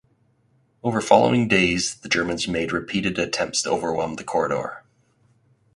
Over following days the Germans made repeated attempts to overwhelm the corridor.